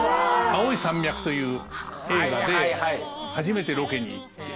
「青い山脈」という映画で初めてロケに行って。